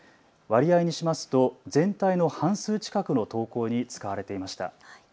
割合にしますと全体の半数近くの投稿に使われていました。